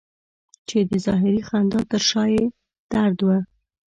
چې د ظاهري خندا تر شا یې درد و.